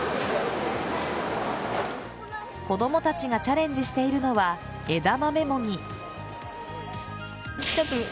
子供たちがチャレンジしているのは枝豆もぎ。